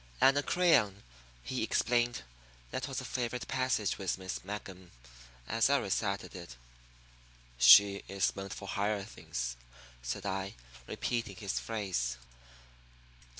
"Anacreon," he explained. "That was a favorite passage with Miss Mangum as I recited it." "She is meant for higher things," said I, repeating his phrase.